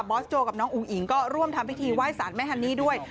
อสโจกับน้องอุ๋งอิ๋งก็ร่วมทำพิธีไหว้สารแม่ฮันนี่ด้วย